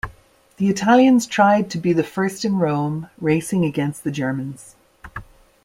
The Italians tried to be the first in Rome, racing against the Germans.